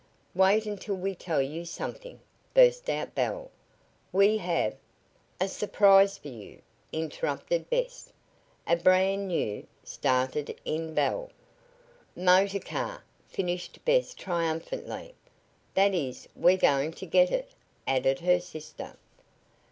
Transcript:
"Wait until we tell you something!" burst out Belle. "We have " "A surprise for you," interrupted Bess. "A brand new " started in Belle. "Motor car," finished Bess triumphantly. "That is, we're going to get it," added her sister.